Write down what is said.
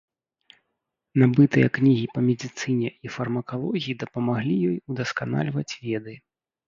Набытыя кнігі па медыцыне і фармакалогіі дапамаглі ёй удасканальваць веды.